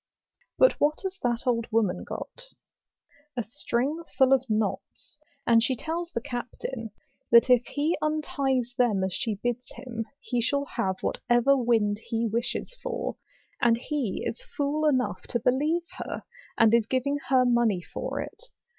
But what has that old woman got? A string 20 LAPLAND. full of knots; and she tells the Captain, that it he unties them as she bids him, he shall have whatever wind he wishes for; and he is fool enough to believe her, and is giving her money for it.